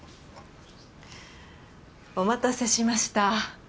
お待たせしました。